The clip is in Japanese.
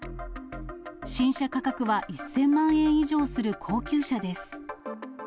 新車価格は１０００万円以上する高級車です。